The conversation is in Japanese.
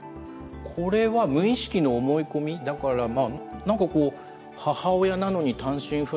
これは無意識の思い込み、だから、なんかこう、母親なのに単身赴任。